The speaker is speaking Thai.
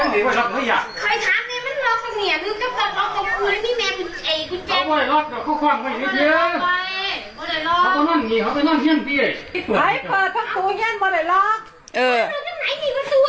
นี่ควันอีกแล้ว